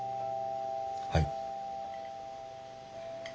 はい。